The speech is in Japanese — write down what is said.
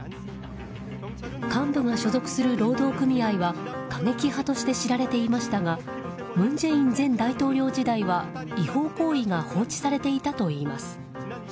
幹部が所属する労働組合は過激派として知られていましたが文在寅前大統領時代は違法行為が放置されていたといいます。